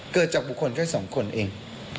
เกิดจากบุคคลแค่๒คนเอง